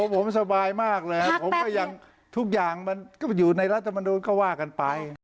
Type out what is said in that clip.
ผมสบายมากเลยผมก็ยังทุกอย่างมันก็อยู่ในรัฐมนุนก็ว่ากันไป